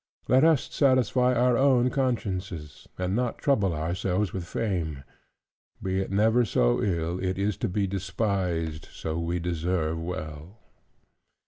"Let us satisfy our own consciences, and not trouble ourselves with fame: be it never so ill, it is to be despised so we deserve well."